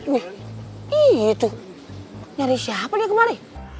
wih itu nyari siapa dia kemari